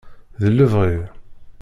D lebɣi.